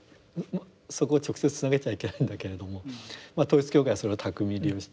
そこを直接つなげちゃいけないんだけれども統一教会はそれを巧みに利用しています。